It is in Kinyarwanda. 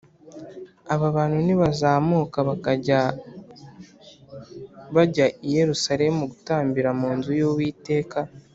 Aba bantu nibazamuka bakajya bajya i Yerusalemu gutambira mu nzu y’Uwiteka